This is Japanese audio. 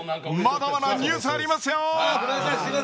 まだまだニュースはありますよ！